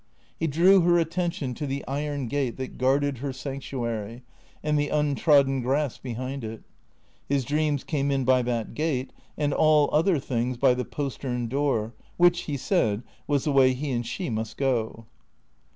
He drew her attention to the iron gate that guarded their sanctuary, and the untrodden grass behind it. His dreams came in by that gate, and all other things by the postern door, which, he said, was the way he and she must go.